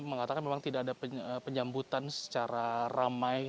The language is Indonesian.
mengatakan memang tidak ada penyambutan secara ramai